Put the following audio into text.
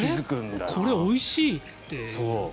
これ、おいしいって。